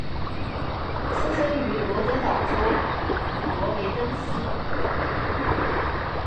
出生于罗德岛州普罗维登斯。